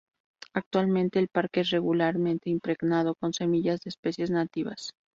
Actualmente, el parque es regularmente impregnado con semillas de especies nativas.